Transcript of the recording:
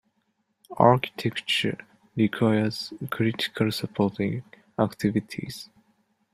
Architecture requires critical supporting activities.